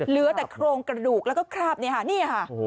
เหลือแต่โครงกระดูกแล้วก็คราบเนี่ยค่ะนี่ค่ะ